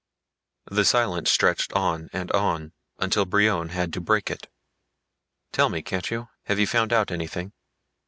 The silence stretched on and on until Brion had to break it. "Tell me, can't you? Have you found out anything?"